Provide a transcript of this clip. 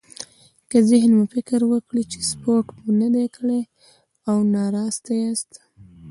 که ذهن مو فکر وکړي چې سپورت مو نه دی کړی او ناراسته ياست.